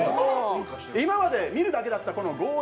今まで見るだけだったゴー☆